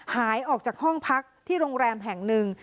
หายออกจากห้องพักที่โรงแรมแห่งหนึ่ง